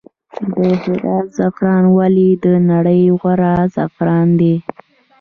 د هرات زعفران ولې د نړۍ غوره زعفران دي؟